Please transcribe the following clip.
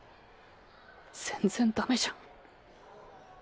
全然ダメじゃん。